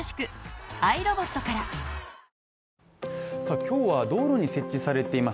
今日は道路に設置されています